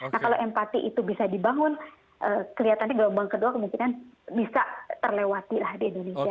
nah kalau empati itu bisa dibangun kelihatannya gelombang kedua kemungkinan bisa terlewati lah di indonesia